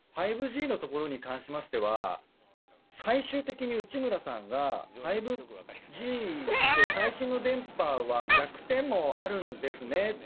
５Ｇのところに関しましては最終的に内村さんが５Ｇ最新の電波は弱点もあるんですね